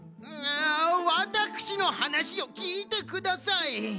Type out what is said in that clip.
ワタクシのはなしをきいてください。